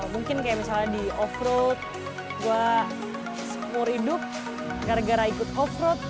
mungkin kayak misalnya di offroad gue seumur hidup gara gara ikut offroad